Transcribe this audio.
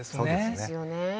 そうですよね。